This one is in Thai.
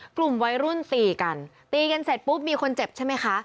กลุ่มวัยรุ่นตีกันตีกันเสร็จปุ๊บมีคนเจ็บใช่ไหมคะ